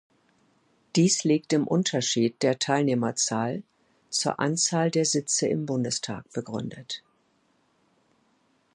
Dies liegt im Unterschied der Teilnehmerzahl zur Anzahl der Sitze im Bundestag begründet.